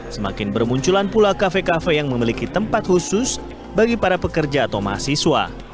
semakin bermunculan pula kafe kafe yang memiliki tempat khusus bagi para pekerja atau mahasiswa